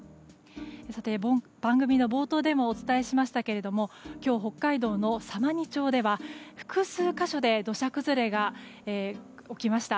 番組冒頭でもお伝えしましたけれども今日、北海道の様似町では複数箇所で土砂崩れが起きました。